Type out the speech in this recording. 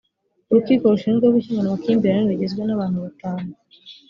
urukiko rushinzwe gukemura amakimbirane rugizwe n’abantu batanu